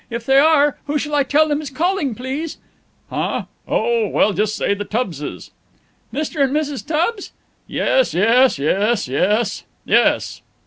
If they are, who shall I tell them is calling, please?" "Huh? Oh, well, just say the Tubbses." "Mr. and Mrs. Tubbs?" "Yes, yes, yes, yes, yes!"